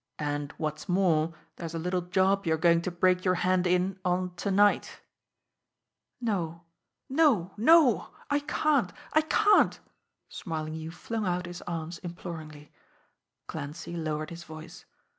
"And, what's more, there's a little job you're going to break your hand in on to night." "No! No, no! I can't! I can't!" Smarlinghue flung out his arms imploringly. Clancy lowered his voice.